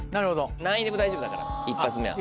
何位でも大丈夫だから１発目は。